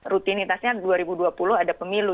rutinitasnya dua ribu dua puluh ada pemilu